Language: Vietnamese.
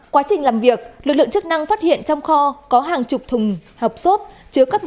quá trình làm việc lực lượng chức năng phát hiện trong kho có hàng chục thùng hợp xốp